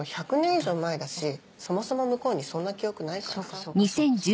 以上前だしそもそも向こうにそんな記憶ないからさ。